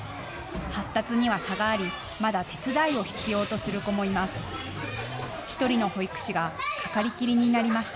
発達には差がありまだ手伝いを必要とする子もいます。